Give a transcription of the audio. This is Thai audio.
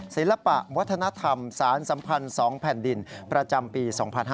ศิลปะวัฒนธรรมสารสัมพันธ์๒แผ่นดินประจำปี๒๕๕๙